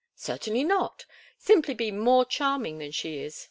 "Certainly not. Simply be more charming than she is.